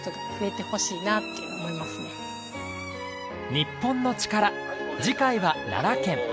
『日本のチカラ』次回は奈良県。